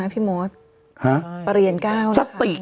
ประเรียนก้าวนะพี่มศ